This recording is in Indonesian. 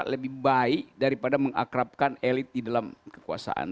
lebih baik daripada mengakrabkan elit di dalam kekuasaan